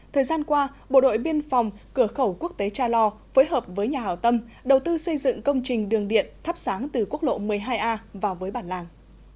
thời gian qua bộ đội biên phòng cửa khẩu quốc tế cha lo phối hợp với nhà hảo tâm đầu tư xây dựng công trình đường điện thắp sáng từ quốc lộ một mươi hai a vào với bản làng